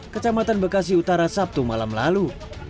kecamatan bekasi utara sabtu malam lalu